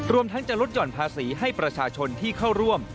ทั้งจะลดหย่อนภาษีให้ประชาชนที่เข้าร่วม